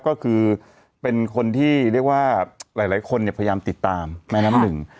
ก็คือเป็นคนที่เรียกว่าหลายคนพยายามติดตามแม่น้ำหนึ่ง